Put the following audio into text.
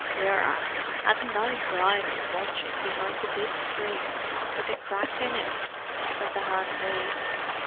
"Yerra, hadn't I Bridie watching behind the big screen with the crack in it?" said the handmaid.